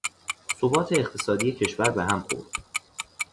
ثبات اقتصادی کشور به هم خورد.